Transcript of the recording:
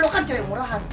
lo kan cari yang murahan